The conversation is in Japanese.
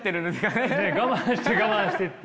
ねえ我慢して我慢してって。